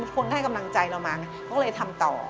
คนให้กำลังใจเรามาไงก็เลยทำต่อ